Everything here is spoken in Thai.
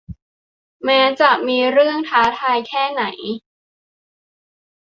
แม้จะมีเรื่องท้าทายแค่ไหน